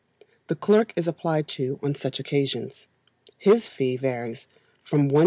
The clerk is applied to on such occasions; his fee varies from 1s.